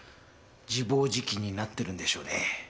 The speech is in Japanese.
自暴自棄になってるんでしょうね。